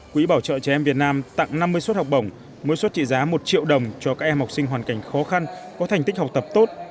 quỹ bảo trợ trẻ em việt nam tặng năm mươi suất học bổng mỗi suất trị giá một triệu đồng cho các em học sinh hoàn cảnh khó khăn có thành tích học tập tốt